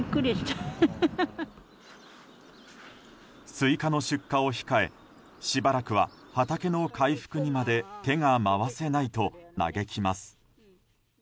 スイカの出荷を控えしばらくは畑の回復にまで手が回せないと嘆きます。